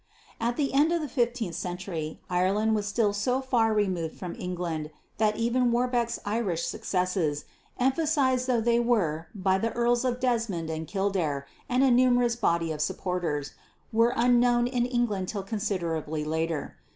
At the end of the fifteenth century Ireland was still so far removed from England that even Warbeck's Irish successes, emphasised though they were by the Earls of Desmond and Kildare and a numerous body of supporters, were unknown in England till considerably later.